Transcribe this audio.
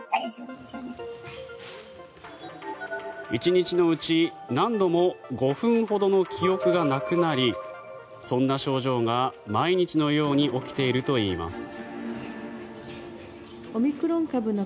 １日のうち何度も５分ほどの記憶がなくなりそんな症状が毎日のように起きているといいます。